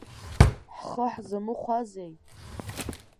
Ҳхы ҳзамыхәазеи?